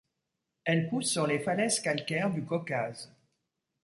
Elle pousse sur les falaises calcaire du Caucase.